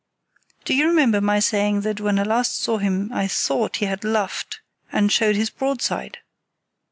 Do you remember my saying that when I last saw him I thought he had luffed and showed his broadside?